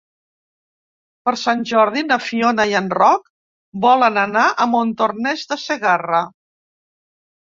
Per Sant Jordi na Fiona i en Roc volen anar a Montornès de Segarra.